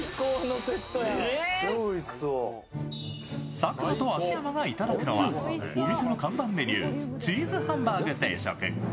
佐久間と秋山がいただくのはお店の看板メニュー、チーズハンバーグ定食。